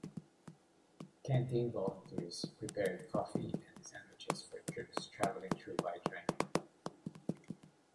Canteen volunteers prepared coffee and sandwiches for troops traveling through by train.